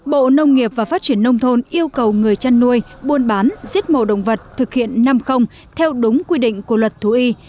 bộ nông nghiệp và phát triển nông thôn yêu cầu người chăn nuôi buôn bán giết mổ động vật thực hiện năm theo đúng quy định của luật thú y